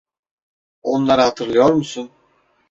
Onları hatırlıyor musun?